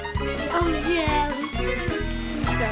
おいしい！